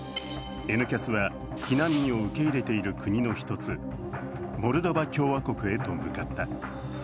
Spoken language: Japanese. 「Ｎキャス」は避難民を受け入れている国の１つ、モルドバ共和国へと向かった。